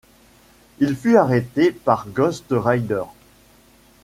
Il fut arrêté par Ghost Rider.